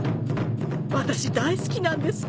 私大好きなんです